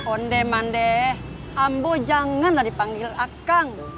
onde mandeh ambo janganlah dipanggil akang